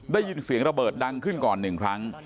ได้ยินเสียงระเบิดดังขึ้นก่อน๑ครั้ง